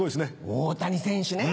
大谷選手ね。